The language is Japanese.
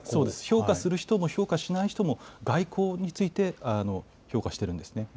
評価する人も評価しない人も、外交について評価してるんですね。